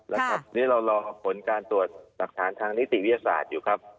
วันนี้เรารอผลการตรวจหลักฐานทางนิติวิทยาศาสตร์อยู่ครับ